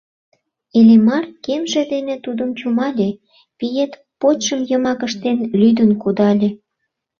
Иллимар кемже дене тудым чумале — пиет почшым йымак ыштен лӱдын кудале!